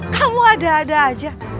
kamu ada ada saja